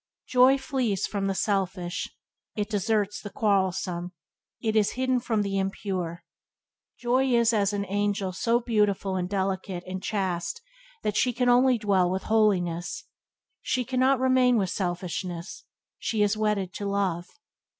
Joy flees from the selfish; it deserts the quarrelsome; it is hidden from the impure. Joy is as an angel so beautiful and delicate and chaste that she can only dwell with holiness. She cannot remain with selfishness; she is wedded to Love.